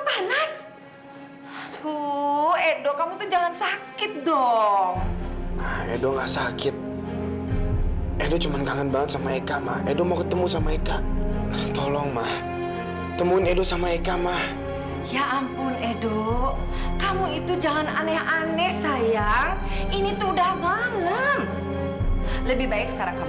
ini bukti bahwa ikatan darah memang tidak dapat dipisahkan